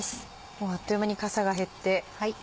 もうあっという間にかさが減って。